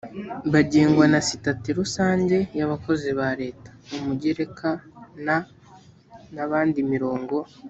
bagengwa na sitati rusange y abakozi ba leta umugereka n n abandi mirongo